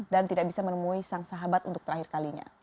dan tidak bisa menemui sang sahabat untuk terakhir kalinya